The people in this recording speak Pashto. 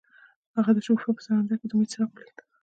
هغه د شګوفه په سمندر کې د امید څراغ ولید.